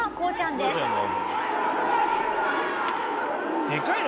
でかいな！